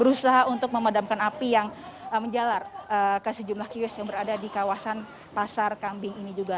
berusaha untuk memadamkan api yang menjalar ke sejumlah kios yang berada di kawasan pasar kambing ini juga